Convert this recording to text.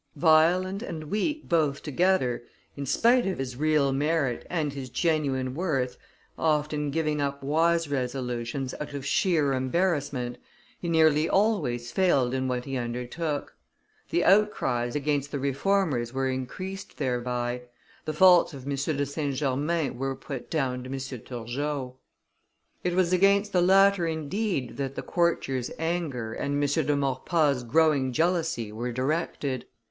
Violent and weak both together, in spite of his real merit and his genuine worth, often giving up wise resolutions out of sheer embarrassment, he nearly always failed in what he undertook; the outcries against the reformers were increased thereby; the faults of M. de St. Germain were put down to M. Turgot. It was against the latter indeed, that the courtiers' anger and M. de Maurepas' growing jealousy were directed.